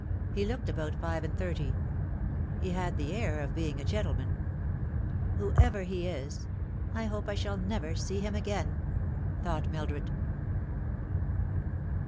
He looked about fi ve and thirty. He had the air of being a gentleman. " Whoever he is, I hope I shall never see him again," thought Mildred.